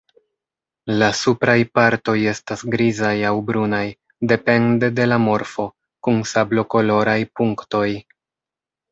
La supraj partoj estas grizaj aŭ brunaj, depende de la morfo, kun sablokoloraj punktoj.